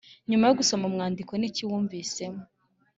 Nyuma yo gusoma umwandiko niki wumvisemo